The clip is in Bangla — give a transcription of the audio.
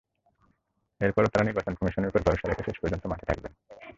তারপরও তাঁরা নির্বাচন কমিশনের ওপর ভরসা রেখে শেষ মুহূর্ত পর্যন্ত মাঠে থাকবেন।